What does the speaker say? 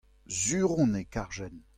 sur on e karjen.